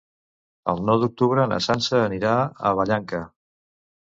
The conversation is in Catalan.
El nou d'octubre na Sança anirà a Vallanca.